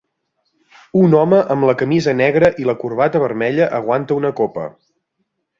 Un home amb la camisa negra i la corbata vermella aguanta una copa.